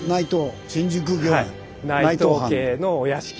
内藤家のお屋敷。